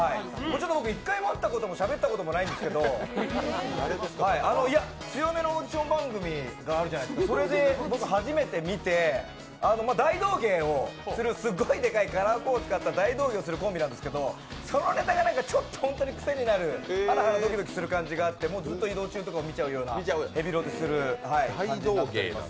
僕、１回も会ったこともしゃべったこともないんですけど強めのオーディション番組があるじゃないですか、それで僕、初めて見て、大道芸をするすごいでかいカラーコーンを使って大道芸をするコンビなんですけどそのネタがちょっと本当にクセになるハラハラドキドキする感じでもうずっと移動中とかも見ちゃうようなヘビロテする形になっております。